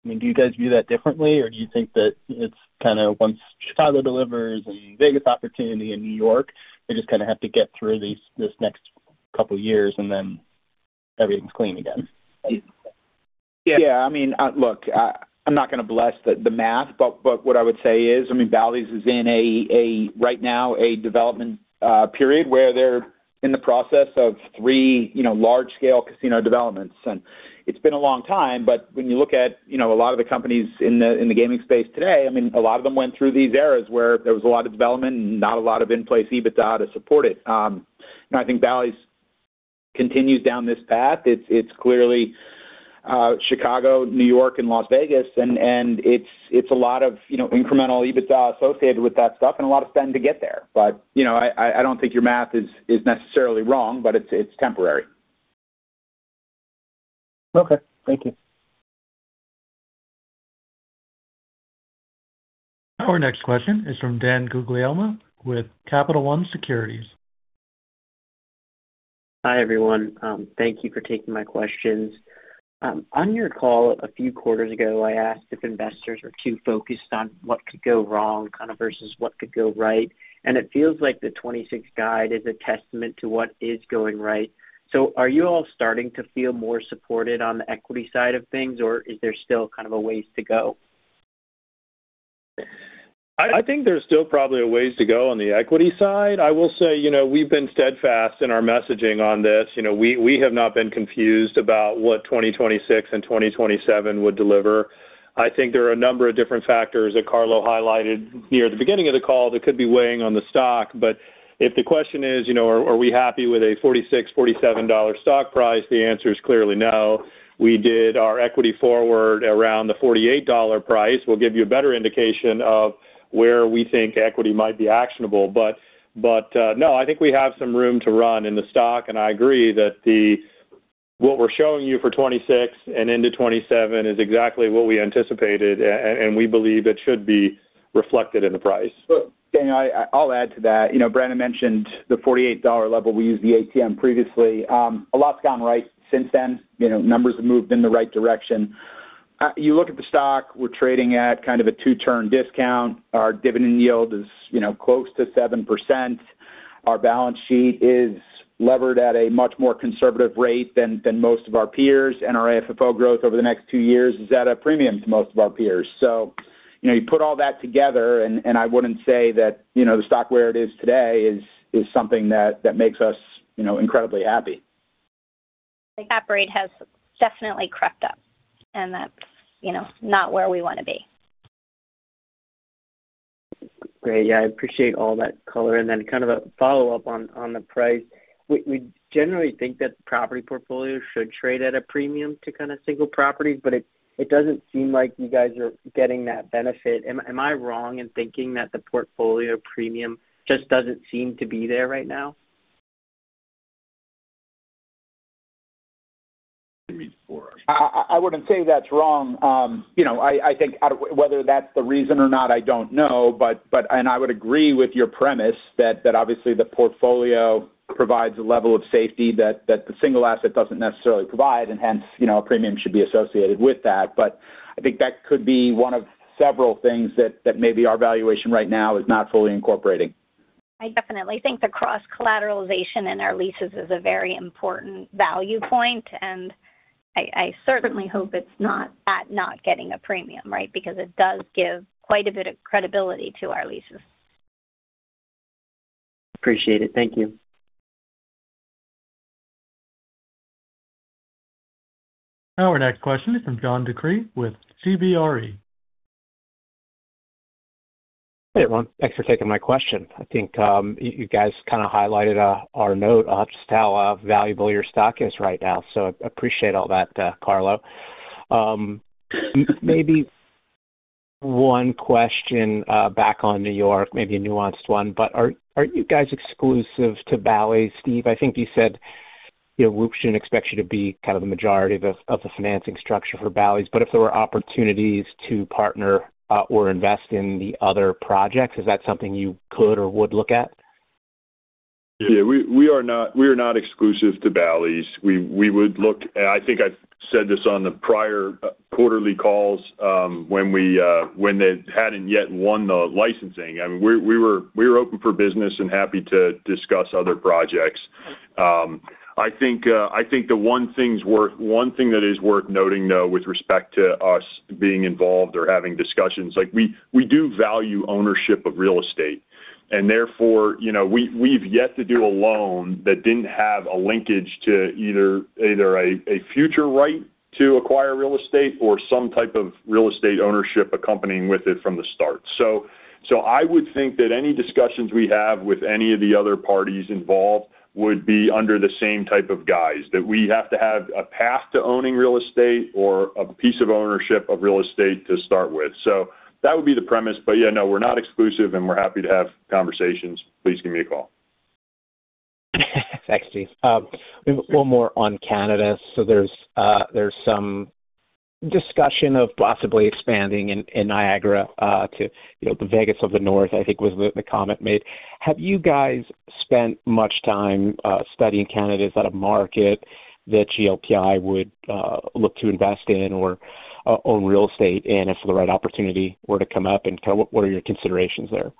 I mean, do you guys view that differently, or do you think that it's kind of once Chicago delivers and Vegas opportunity and New York, they just kind of have to get through this next couple years and then everything's clean again? Yeah. I mean, look, I'm not gonna bless the, the math, but, but what I would say is, I mean, Bally's is in a right now, a development period, where they're in the process of three, you know, large-scale casino developments. And it's been a long time, but when you look at, you know, a lot of the companies in the gaming space today, I mean, a lot of them went through these eras where there was a lot of development and not a lot of in-place EBITDA to support it. And I think Bally's continues down this path. It's clearly Chicago, New York, and Las Vegas, and, it's a lot of, you know, incremental EBITDA associated with that stuff and a lot of spend to get there. But, you know, I don't think your math is necessarily wrong, but it's temporary. Okay. Thank you. Our next question is from Dan Guglielmo with Capital One Securities. Hi, everyone. Thank you for taking my questions. On your call a few quarters ago, I asked if investors are too focused on what could go wrong kind of versus what could go right, and it feels like the 2026 guide is a testament to what is going right. So are you all starting to feel more supported on the equity side of things, or is there still kind of a ways to go? I think there's still probably a ways to go on the equity side. I will say, you know, we've been steadfast in our messaging on this. You know, we have not been confused about what 2026 and 2027 would deliver. I think there are a number of different factors that Carlo highlighted near the beginning of the call that could be weighing on the stock. But if the question is, you know, are we happy with a $46-$47 stock price? The answer is clearly no. We did our equity forward around the $48 price. We'll give you a better indication of where we think equity might be actionable. But no, I think we have some room to run in the stock, and I agree that what we're showing you for 2026 and into 2027 is exactly what we anticipated, and we believe it should be reflected in the price. Look, Dan, I'll add to that. You know, Brandon mentioned the $48 level. We used the ATM previously. A lot's gone right since then. You know, numbers have moved in the right direction. You look at the stock, we're trading at kind of a two-turn discount. Our dividend yield is, you know, close to 7%. Our balance sheet is levered at a much more conservative rate than most of our peers, and our AFFO growth over the next two years is at a premium to most of our peers. So, you know, you put all that together, and I wouldn't say that, you know, the stock where it is today is something that makes us, you know, incredibly happy. The Cap rate has definitely crept up, and that's, you know, not where we wanna be. Great. Yeah, I appreciate all that color. And then kind of a follow-up on the price. We generally think that the property portfolio should trade at a premium to kind of single properties, but it doesn't seem like you guys are getting that benefit. Am I wrong in thinking that the portfolio premium just doesn't seem to be there right now? I mean, for-- I wouldn't say that's wrong. You know, I think out of whether that's the reason or not, I don't know. But, and I would agree with your premise that obviously the portfolio provides a level of safety that the single asset doesn't necessarily provide, and hence, you know, a premium should be associated with that. But I think that could be one of several things that maybe our valuation right now is not fully incorporating. I definitely think the cross-collateralization in our leases is a very important value point, and I, I certainly hope it's not that not getting a premium, right? Because it does give quite a bit of credibility to our leases. Appreciate it. Thank you. Our next question is from John DeCree with CBRE. Hey, everyone. Thanks for taking my question. I think, you, you guys kind of highlighted, our note on just how valuable your stock is right now. So appreciate all that, Carlo. Maybe one question, back on New York, maybe a nuanced one, but are, are you guys exclusive to Bally's, Steve? I think you said, you know, Soo Kim expects you to be kind of the majority of the, of the financing structure for Bally's, but if there were opportunities to partner, or invest in the other projects, is that something you could or would look at? Yeah, we are not exclusive to Bally's. We would look... I think I've said this on the prior quarterly calls, when they hadn't yet won the licensing. I mean, we were open for business and happy to discuss other projects. I think one thing that is worth noting, though, with respect to us being involved or having discussions, like we do value ownership of real estate, and therefore, you know, we've yet to do a loan that didn't have a linkage to either a future right to acquire real estate or some type of real estate ownership accompanying with it from the start. I would think that any discussions we have with any of the other parties involved would be under the same type of guise, that we have to have a path to owning real estate or a piece of ownership of real estate to start with. That would be the premise. But yeah, no, we're not exclusive, and we're happy to have conversations. Please give me a call. Thanks, Steve. One more on Canada. So there's some discussion of possibly expanding in Niagara to, you know, the Vegas of the North, I think, was the comment made. Have you guys spent much time studying candidates at a market that GLPI would look to invest in or own real estate, and if the right opportunity were to come up and tell, what are your considerations there?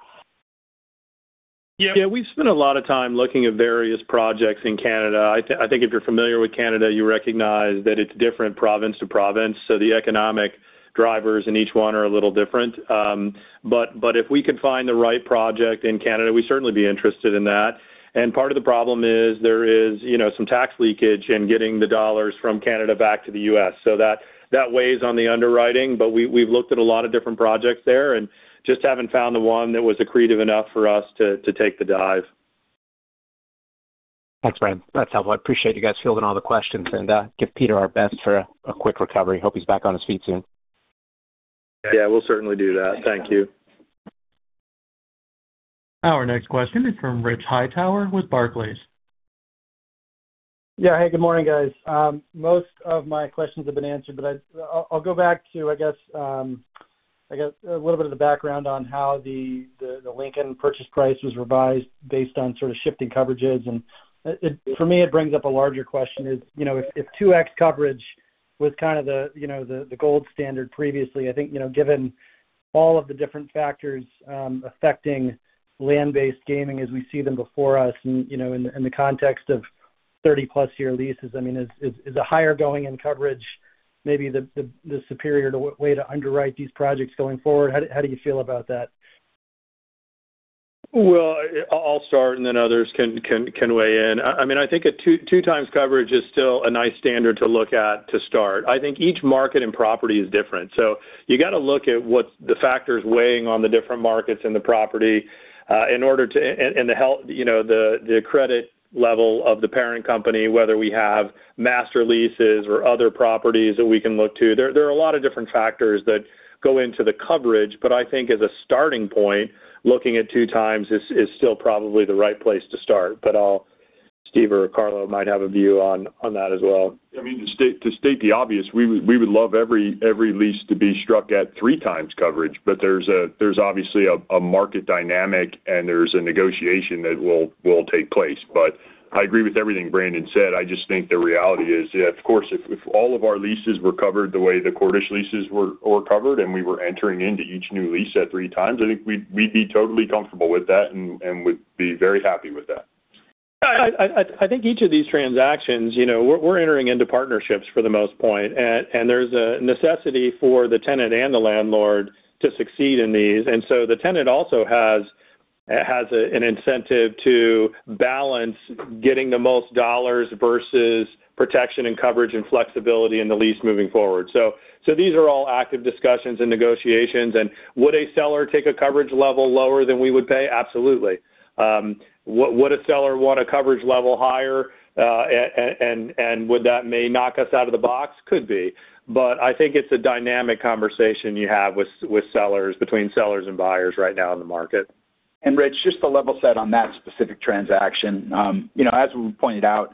Yeah, we've spent a lot of time looking at various projects in Canada. I think if you're familiar with Canada, you recognize that it's different province to province, so the economic drivers in each one are a little different. But if we could find the right project in Canada, we'd certainly be interested in that. And part of the problem is there is, you know, some tax leakage in getting the dollars from Canada back to the U.S., so that weighs on the underwriting. But we've looked at a lot of different projects there and just haven't found the one that was accretive enough for us to take the dive. Thanks, Brandon. That's helpful. I appreciate you guys fielding all the questions, and give Peter our best for a quick recovery. Hope he's back on his feet soon. Yeah, we'll certainly do that. Thank you. Our next question is from Rich Hightower with Barclays. Yeah. Hey, good morning, guys. Most of my questions have been answered, but I'll go back to, I guess, a little bit of the background on how the Lincoln purchase price was revised based on sort of shifting coverages. And, for me, it brings up a larger question is, you know, if 2x coverage was kind of the, you know, the gold standard previously, I think, you know, given all of the different factors affecting land-based gaming as we see them before us and, you know, in the context of 30+ year leases, I mean, is a higher going in coverage, maybe the superior way to underwrite these projects going forward? How do you feel about that? Well, I'll start, and then others can weigh in. I mean, I think two times coverage is still a nice standard to look at to start. I think each market and property is different. So you got to look at what the factors weighing on the different markets and the property in order to and the health, you know, the credit level of the parent company, whether we have master leases or other properties that we can look to. There are a lot of different factors that go into the coverage, but I think as a starting point, looking at two times is still probably the right place to start. But I'll, Steve or Carlo might have a view on that as well. I mean, to state the obvious, we would love every lease to be struck at 3x coverage, but there's obviously a market dynamic, and there's a negotiation that will take place. But I agree with everything Brandon said. I just think the reality is, yeah, of course, if all of our leases were covered the way the Cordish leases were covered, and we were entering into each new lease at 3x, I think we'd be totally comfortable with that and would be very happy with that. I think each of these transactions, you know, we're entering into partnerships for the most part, and there's a necessity for the tenant and the landlord to succeed in these. So the tenant also has an incentive to balance getting the most dollars versus protection and coverage and flexibility in the lease moving forward. So these are all active discussions and negotiations. And would a seller take a coverage level lower than we would pay? Absolutely. Would a seller want a coverage level higher, and would that may knock us out of the box? Could be. But I think it's a dynamic conversation you have with sellers, between sellers and buyers right now in the market. Rich, just to level set on that specific transaction, you know, as we pointed out,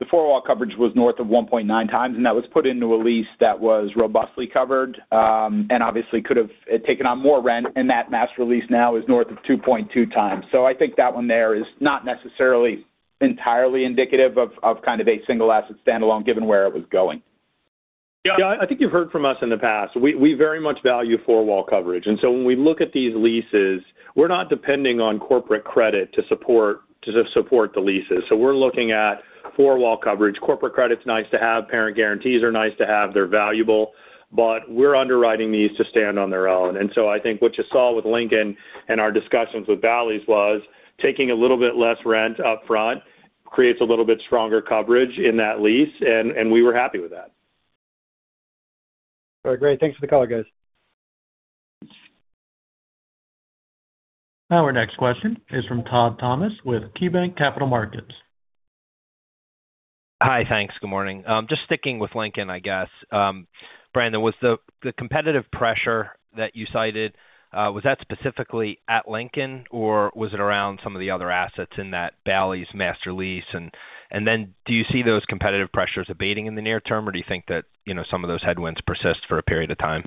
the four-wall coverage was north of 1.9x, and that was put into a lease that was robustly covered, and obviously could have taken on more rent, and that Master Lease now is north of 2.2x. So I think that one there is not necessarily entirely indicative of, of kind of a single asset standalone, given where it was going. Yeah, I think you've heard from us in the past. We very much value four-wall coverage, and so when we look at these leases, we're not depending on corporate credit to support the leases. So we're looking at four-wall coverage. Corporate credit's nice to have. Parent guarantees are nice to have. They're valuable, but we're underwriting these to stand on their own. And so I think what you saw with Lincoln and our discussions with Bally's was taking a little bit less rent upfront, creates a little bit stronger coverage in that lease, and we were happy with that. All right, great. Thanks for the call, guys. Our next question is from Todd Thomas with KeyBanc Capital Markets. Hi. Thanks. Good morning. Just sticking with Lincoln, I guess, Brandon, was the competitive pressure that you cited, was that specifically at Lincoln, or was it around some of the other assets in that Bally's Master Lease? And then do you see those competitive pressures abating in the near term, or do you think that, you know, some of those headwinds persist for a period of time?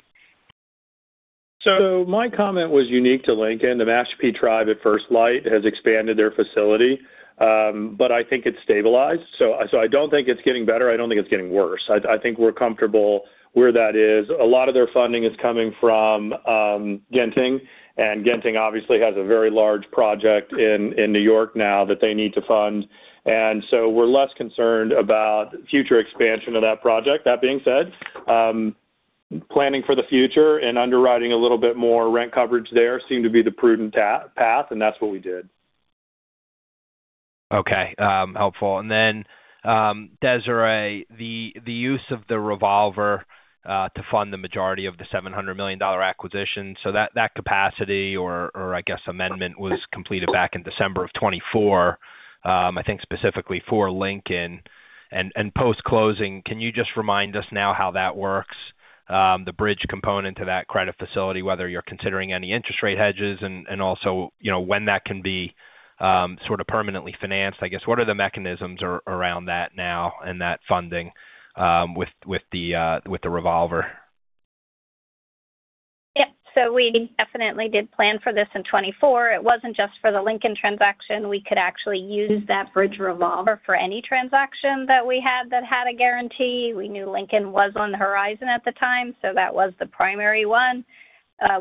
So my comment was unique to Lincoln. The Mashpee Tribe at First Light has expanded their facility, but I think it's stabilized. So I, so I don't think it's getting better. I don't think it's getting worse. I think we're comfortable where that is. A lot of their funding is coming from Genting, and Genting obviously has a very large project in New York now that they need to fund, and so we're less concerned about future expansion of that project. That being said, planning for the future and underwriting a little bit more rent coverage there seemed to be the prudent path, and that's what we did. Okay, helpful. And then, Desiree, the use of the revolver to fund the majority of the $700 million acquisition, so that capacity or, I guess, amendment was completed back in December of 2024, I think specifically for Lincoln. And post-closing, can you just remind us now how that works? The bridge component to that credit facility, whether you're considering any interest rate hedges and also, you know, when that can be sort of permanently financed. I guess, what are the mechanisms around that now and that funding with the revolver? So we definitely did plan for this in 2024. It wasn't just for the Lincoln transaction. We could actually use that bridge revolver for any transaction that we had that had a guarantee. We knew Lincoln was on the horizon at the time, so that was the primary one.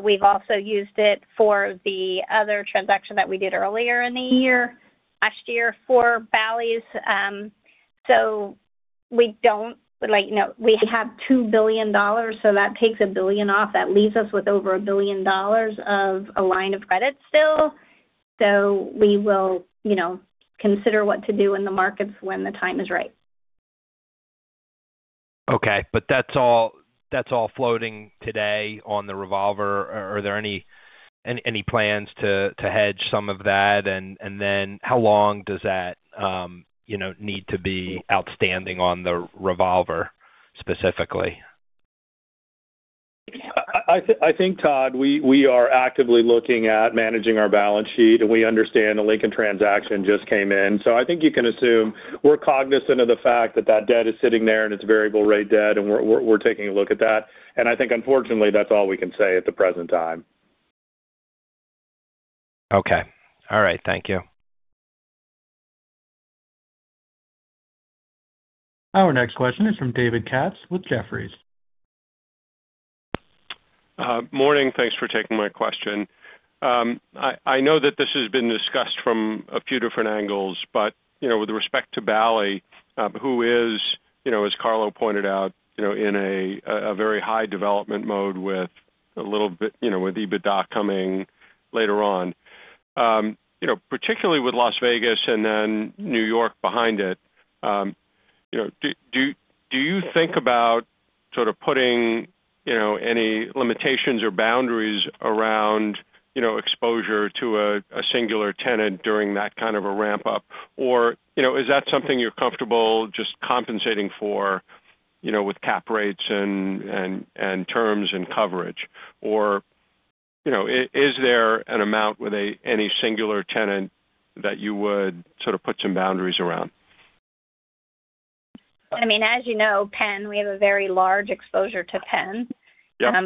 We've also used it for the other transaction that we did earlier in the year, last year, for Bally's. So we don't, like, you know, we have $2 billion, so that takes $1 billion off. That leaves us with over $1 billion of a line of credit still. So we will, you know, consider what to do in the markets when the time is right. Okay, but that's all floating today on the revolver. Are there any plans to hedge some of that? And then how long does that, you know, need to be outstanding on the revolver specifically? I think, Todd, we are actively looking at managing our balance sheet, and we understand the Lincoln transaction just came in. So I think you can assume we're cognizant of the fact that that debt is sitting there, and it's variable rate debt, and we're taking a look at that. And I think, unfortunately, that's all we can say at the present time. Okay. All right. Thank you. Our next question is from David Katz with Jefferies. Morning. Thanks for taking my question. I know that this has been discussed from a few different angles, but, you know, with respect to Bally, who is, you know, as Carlo pointed out, you know, in a very high development mode with a little bit, you know, with EBITDA coming later on. You know, particularly with Las Vegas and then New York behind it, you know, do you think about sort of putting, you know, any limitations or boundaries around, you know, exposure to a singular tenant during that kind of a ramp-up? Or, you know, is that something you're comfortable just compensating for, you know, with cap rates and terms and coverage? Or, you know, is there an amount with any singular tenant that you would sort of put some boundaries around? I mean, as you know, PENN, we have a very large exposure to PENN. Yep.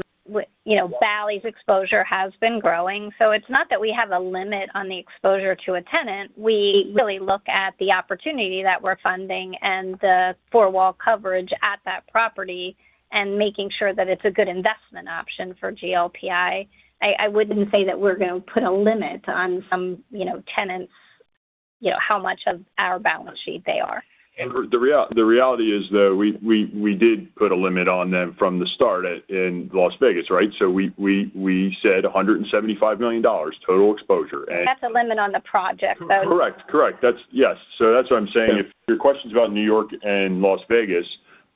You know, Bally's exposure has been growing, so it's not that we have a limit on the exposure to a tenant. We really look at the opportunity that we're funding and the four-wall coverage at that property and making sure that it's a good investment option for GLPI. I wouldn't say that we're gonna put a limit on some, you know, tenants, you know, how much of our balance sheet they are. The reality is, though, we did put a limit on them from the start at, in Las Vegas, right? So we said $175 million, total exposure, and- That's a limit on the project, though. Correct. Correct. That's, yes. So that's what I'm saying. Yeah. If your question's about New York and Las Vegas,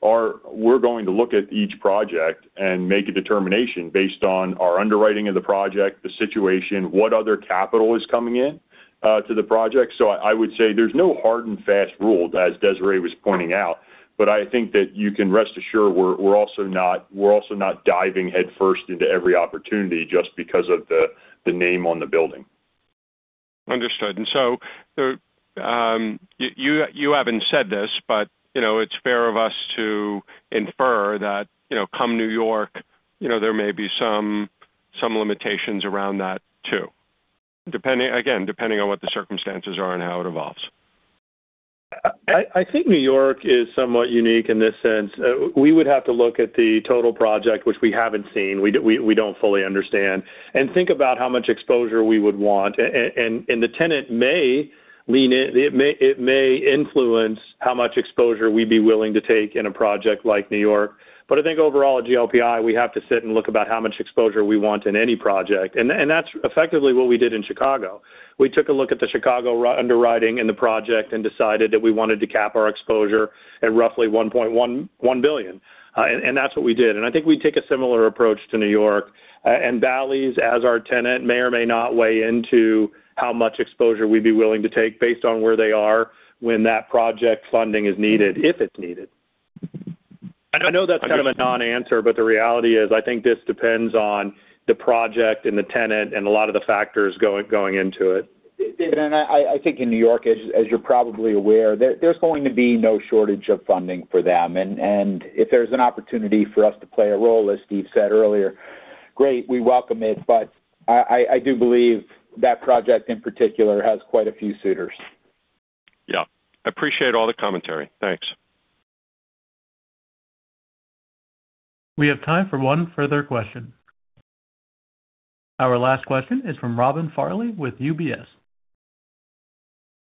we're going to look at each project and make a determination based on our underwriting of the project, the situation, what other capital is coming in to the project. So I would say there's no hard and fast rule, as Desiree was pointing out, but I think that you can rest assured we're, we're also not, we're also not diving headfirst into every opportunity just because of the name on the building. Understood. And so, you haven't said this, but, you know, it's fair of us to infer that, you know, come New York, you know, there may be some limitations around that too, depending again on what the circumstances are and how it evolves. I think New York is somewhat unique in this sense. We would have to look at the total project, which we haven't seen, we don't fully understand, and think about how much exposure we would want. And the tenant may lean in. It may influence how much exposure we'd be willing to take in a project like New York. But I think overall at GLPI, we have to sit and look about how much exposure we want in any project, and that's effectively what we did in Chicago. We took a look at the Chicago underwriting and the project and decided that we wanted to cap our exposure at roughly $1.1 billion. And that's what we did. And I think we'd take a similar approach to New York. And Bally's, as our tenant, may or may not weigh into how much exposure we'd be willing to take based on where they are when that project funding is needed, if it's needed. I know that's kind of a non-answer, but the reality is, I think this depends on the project and the tenant and a lot of the factors going into it. David, and I think in New York, as you're probably aware, there's going to be no shortage of funding for them. And if there's an opportunity for us to play a role, as Steve said earlier, great, we welcome it. But I do believe that project, in particular, has quite a few suitors. Yeah. I appreciate all the commentary. Thanks. We have time for one further question. Our last question is from Robin Farley with UBS.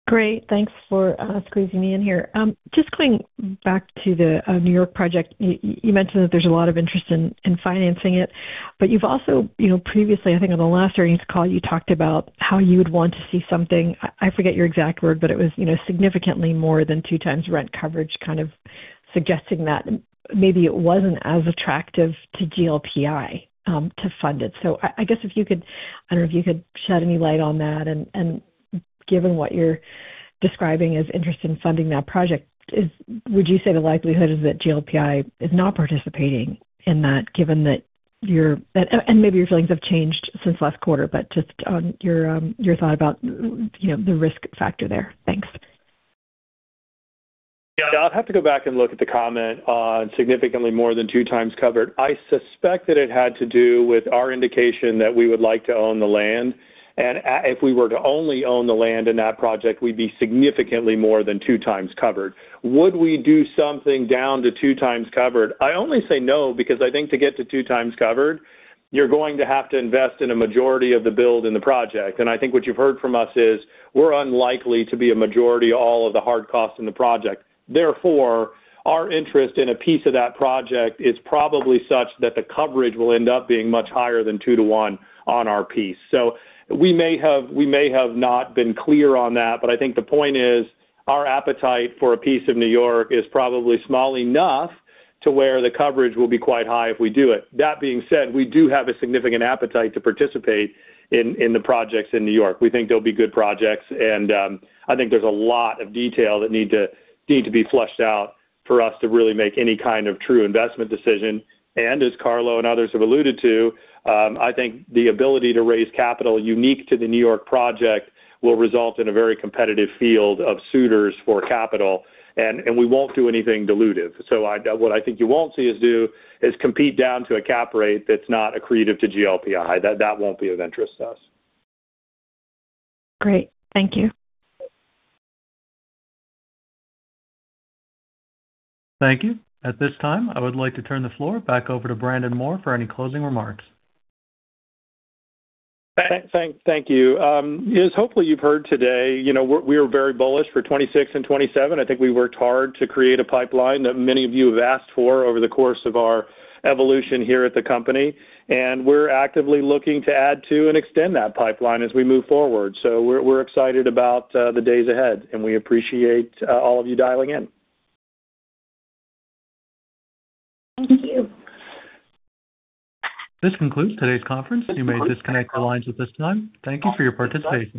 Great. Thanks for squeezing me in here. Just going back to the New York project. You mentioned that there's a lot of interest in financing it, but you've also, you know, previously, I think on the last earnings call, you talked about how you would want to see something, I forget your exact word, but it was, you know, significantly more than two times rent coverage, kind of suggesting that maybe it wasn't as attractive to GLPI to fund it. So I guess if you could, I don't know if you could shed any light on that and given what you're describing as interest in funding that project, would you say the likelihood is that GLPI is not participating in that, given that your-- And maybe your feelings have changed since last quarter, but just on your thought about, you know, the risk factor there. Thanks. Yeah, I'd have to go back and look at the comment on significantly more than 2x covered. I suspect that it had to do with our indication that we would like to own the land, and if we were to only own the land in that project, we'd be significantly more than 2x covered. Would we do something down to 2x covered? I only say no, because I think to get to 2x covered, you're going to have to invest in a majority of the build in the project. And I think what you've heard from us is, we're unlikely to be a majority, all of the hard costs in the project. Therefore, our interest in a piece of that project is probably such that the coverage will end up being much higher than 2:1 on our piece. So we may have, we may have not been clear on that, but I think the point is, our appetite for a piece of New York is probably small enough to where the coverage will be quite high if we do it. That being said, we do have a significant appetite to participate in the projects in New York. We think they'll be good projects, and I think there's a lot of detail that need to be flushed out for us to really make any kind of true investment decision. And as Carlo and others have alluded to, I think the ability to raise capital unique to the New York project will result in a very competitive field of suitors for capital, and we won't do anything dilutive. So what I think you won't see us do, is compete down to a cap rate that's not accretive to GLPI. That, that won't be of interest to us. Great. Thank you. Thank you. At this time, I would like to turn the floor back over to Brandon Moore for any closing remarks. Thank you. As hopefully you've heard today, you know, we're very bullish for 2026 and 2027. I think we worked hard to create a pipeline that many of you have asked for over the course of our evolution here at the company, and we're actively looking to add to and extend that pipeline as we move forward. So we're excited about the days ahead, and we appreciate all of you dialing in. Thank you. This concludes today's conference. You may disconnect your lines at this time. Thank you for your participation.